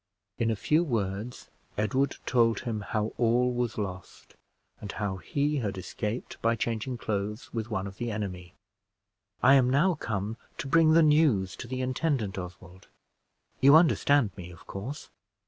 In a few words Edward told him how all was lost, and how he had escaped by changing clothes with one of the enemy. "I am now come to bring the news to the intendant, Oswald. You understand me, of course?"